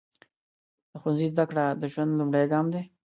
د ښوونځي زده کړه د ژوند لومړی ګام دی.